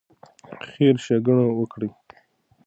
خیر ښېګڼه وکړئ.